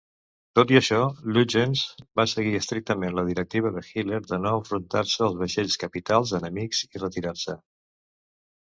Tot i això, Lütjens va seguir estrictament la directiva de Hitler de no enfrontar-se als vaixells capitals enemics i retirar-se.